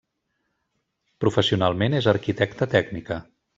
Professionalment és arquitecta tècnica.